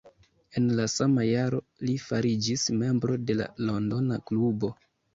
En la sama jaro li fariĝis membro de la londona klubo.